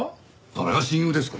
誰が親友ですか？